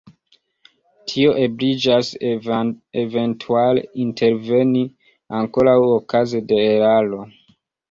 Tio ebligas eventuale interveni ankoraŭ okaze de eraro.